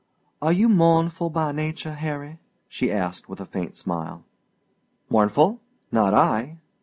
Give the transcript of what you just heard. "Are you mournful by nature, Harry?" she asked with a faint smile. "Mournful? Not I."